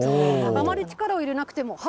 あまり力を入れなくても。